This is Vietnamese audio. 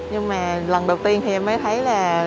nhưng mà lần đầu tiên em mới thấy là